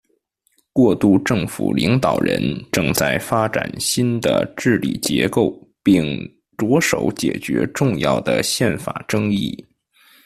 过渡政府领导人正在发展新的治理结构并着手解决重要的宪法争议。